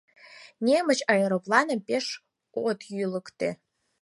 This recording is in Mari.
Немыч аэропланым пеш от йӱлыктӧ.